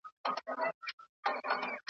کله له واورو او له یخنیو .